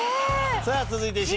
さあ続いてＣ。